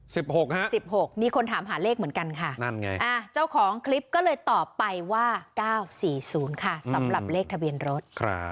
สิบหกฮะสิบหกมีคนถามหาเลขเหมือนกันค่ะนั่นไงเจ้าของคลิปก็เลยตอบไปว่า๙๔๐ค่ะสำหรับเลขทะเบียนรถ